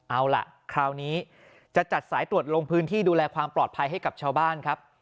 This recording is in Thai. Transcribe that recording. เอาล่ะคราวนี้จะจัดสายตรวจลงพื้นที่ดูแลความปลอดภัยให้กับชาวบ้านครับ